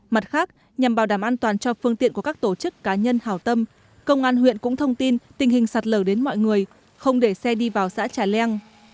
mặt khác nhằm bảo đảm an toàn cho phương tiện của các tổ chức cá nhân hảo tâm công an huyện cũng thông tin tình hình sạt lở đến mọi người không để xe đi vào xã trà leng